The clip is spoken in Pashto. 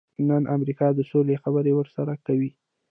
نن امریکا د سولې خبرې ورسره کوي.